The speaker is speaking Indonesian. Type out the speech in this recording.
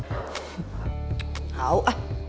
tau ah kambing